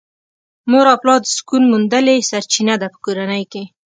مور او پلار د سکون موندلې سرچينه ده په کورنۍ کې .